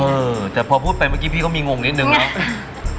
เออแต่พอพูดไปเมื่อกี้พี่ก็มีงงนิดนึงเนาะ